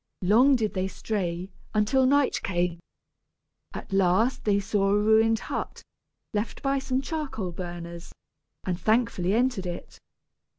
Long did they stray, until night came. At last they saw a ruined hut, left by some charcoal burners, and thankfully entered it.